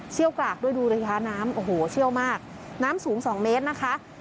กรากด้วยดูดิคะน้ำโอ้โหเชี่ยวมากน้ำสูง๒เมตรนะคะ